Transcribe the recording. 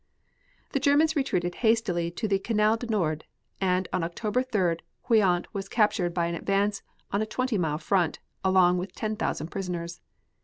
The Germans retreated hastily to the Canal du Nord, and on September 3d Queant was captured by an advance on a twenty mile front, along with ten thousand prisoners.